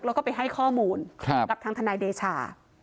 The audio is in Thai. แล้วก็ไปให้ข้อมูลกับทางทนายเดชา